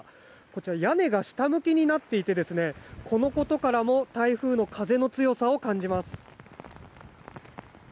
こちら屋根が下向きになっていてこのことからも台風の風の強さを感じます。